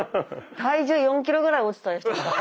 体重４キロぐらい落ちた人みたいに。